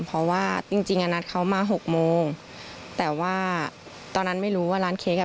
เพราะว่าจริงจริงอ่ะนัดเขามาหกโมงแต่ว่าตอนนั้นไม่รู้ว่าร้านเค้กอ่ะ